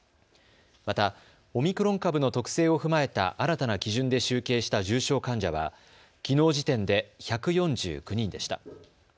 また、オミクロン株の特性を踏まえた新たな基準で集計した重症患者はきのう時点で１４９人でした。